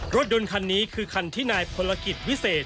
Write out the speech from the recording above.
รถยนต์คันนี้คือคันที่นายพลกิจวิเศษ